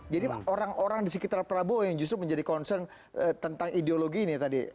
jadi orang orang di sekitar prabowo yang justru menjadi concern tentang ideologi ini tadi